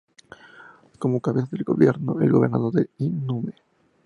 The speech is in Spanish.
Como cabeza del gobierno, el Gobernador es inmune.